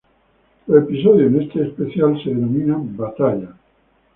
Los episodios en este especial se denominan "Batallas"